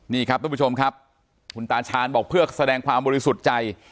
นี่ครับทุกผู้ชมครับคุณตาชาญบอกเพื่อแสดงความบริสุทธิ์ใจ